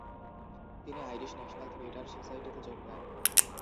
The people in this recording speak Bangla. তিনি আইরিশ ন্যাশনাল থিয়েটার সোসাইটিতে যোগ দেন।